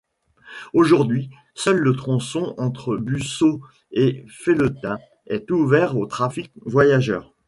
Aujourd'hui, seul le tronçon entre Busseau et Felletin est ouvert au trafic voyageurs.